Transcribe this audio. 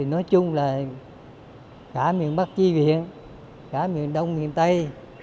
nói chung là cả miền bắc chi viện cả miền đông miền tây